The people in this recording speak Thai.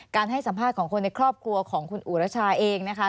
ให้สัมภาษณ์ของคนในครอบครัวของคุณอุรชาเองนะคะ